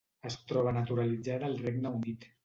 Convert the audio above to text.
Es troba naturalitzada al Regne Unit.